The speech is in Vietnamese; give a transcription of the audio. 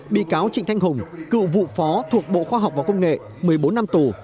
bị cáo trịnh thanh hùng cựu vụ phó thuộc bộ khoa học và công nghệ một mươi bốn năm tù